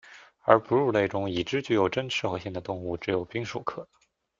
而哺乳类中已知具有真社会性的动物只有滨鼠科。